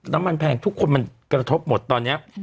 น้ำมันแพงทุกคนมันกระทบหมดตอนเนี้ย